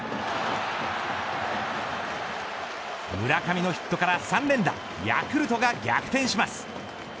村上のヒットから３連打ヤクルトが逆転します。